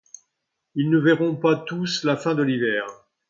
Ils ne verront pas tous la fin de l'hiver.